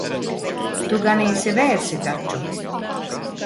Tu ganīsi vērsi taču.